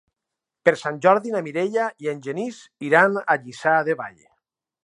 Per Sant Jordi na Mireia i en Genís iran a Lliçà de Vall.